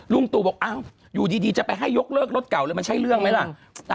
ตู่บอกอยู่ดีจะไปให้ยกเลิกรถเก่าเลยมันใช่เรื่องไหมล่ะ